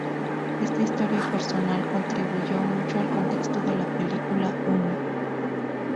Esta historia personal contribuyó mucho al contexto de la película "Uno".